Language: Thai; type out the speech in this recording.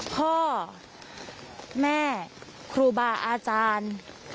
พ่อแม่ครูบาอาจารย์